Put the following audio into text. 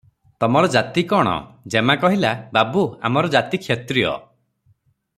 ତମର ଜାତି କଣ?" ଯେମା କହିଲା- "ବାବୁ! ଆମର ଜାତି କ୍ଷତ୍ରିୟ ।